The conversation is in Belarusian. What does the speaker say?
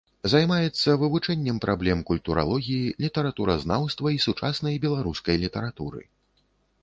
Займаецца вывучэннем праблем культуралогіі, літаратуразнаўства і сучаснай беларускай літаратуры.